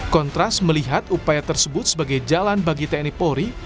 kontras melihat upaya tersebut sebagai jalan bagi tni polri